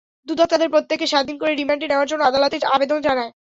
দুদক তাঁদের প্রত্যেককে সাত দিন করে রিমান্ডে নেওয়ার জন্য আদালতে আবেদন জানায়।